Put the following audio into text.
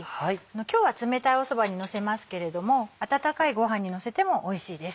今日は冷たいそばにのせますけれども温かいご飯にのせてもおいしいです。